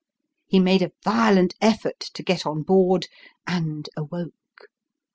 He made a violent effort to get on board, and awoke.